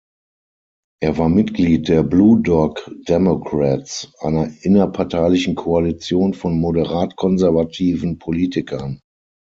Er war Mitglied der Blue Dog Democrats, einer innerparteilichen Koalition von moderat konservativen Politikern.